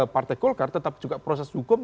partai golkar tetap juga proses hukum